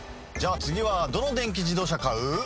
じゃ次はどの電気自動車買う？